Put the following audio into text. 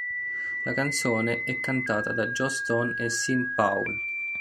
La canzone è cantata da Joss Stone e Sean Paul.